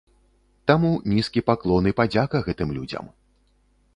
Таму нізкі паклон і падзяка гэтым людзям.